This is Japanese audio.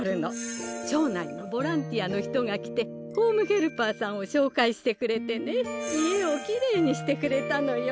町内のボランティアの人が来てホームヘルパーさんをしょうかいしてくれてね家をきれいにしてくれたのよ。